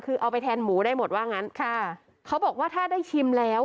คือเอาไปแทนหมูได้หมดว่างั้นค่ะเขาบอกว่าถ้าได้ชิมแล้ว